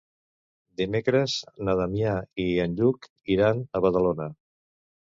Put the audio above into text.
Dimecres na Damià i en Lluc aniran a Badalona.